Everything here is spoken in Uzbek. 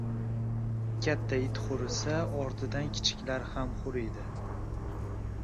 • Katta it hurisa, ortidan kichiklari ham huriydi.